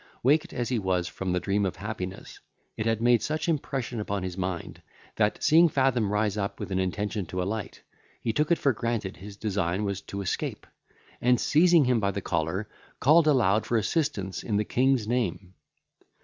Waked as he was from the dream of happiness, it had made such impression upon his mind, that, seeing Fathom rise up with an intention to alight, he took it for granted his design was to escape, and seizing him by the collar, called aloud for assistance in the King's name.